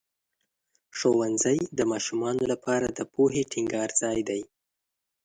ښوونځی د ماشومانو لپاره د پوهې ټینګار ځای دی.